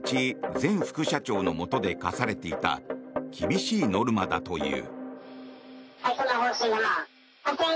前副社長のもとで課されていた厳しいノルマだという。